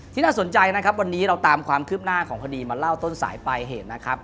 น่าสนใจนะครับวันนี้เราตามความคืบหน้าของคดีมาเล่าต้นสายปลายเหตุนะครับ